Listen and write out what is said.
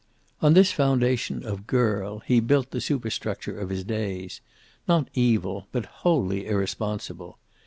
On this foundation of girl he built the superstructure of his days. Not evil, but wholly irresponsible.